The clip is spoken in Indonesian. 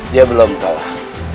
dia belum kalah